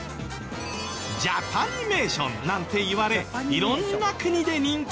ジャパニメーションなんて言われ色んな国で人気だけど。